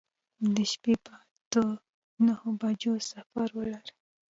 د شپې په اته نهو بجو سفر ولرئ.